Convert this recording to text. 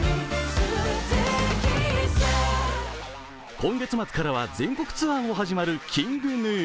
今月末からは全国ツアーも始まるＫｉｎｇＧｎｕ。